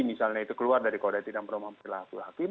misalnya itu keluar dari kodetik dan perumahan perilaku hakim